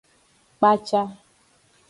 Kpaca.